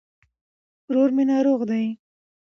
ورور مي ناروغ دي